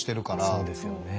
そうですよね。